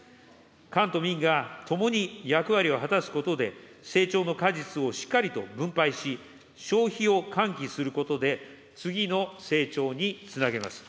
官と民が共に役割を果たすことで、成長の果実をしっかりと分配し、消費を喚起することで、次の成長につなげます。